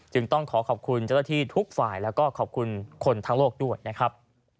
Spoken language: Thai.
ต้องขอขอบคุณเจ้าหน้าที่ทุกฝ่ายแล้วก็ขอบคุณคนทั้งโลกด้วยนะครับ